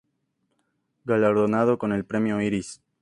Galardonado con el Premio Iris.